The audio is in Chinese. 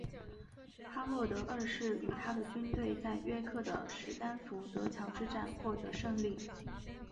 哈洛德二世与他的军队在约克的史丹福德桥之战获得胜利。